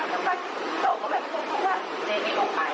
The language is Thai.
แล้วก็เจอก็แบบตรงตรงว่าเจ๊ไม่ลงไป